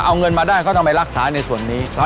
เอาเงินมาได้เขาต้องไปรักษาในส่วนนี้